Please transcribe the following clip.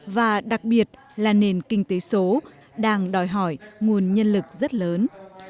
và đặc biệt là nền kinh tế số đang đòi hỏi nguồn nhân lực rất lớn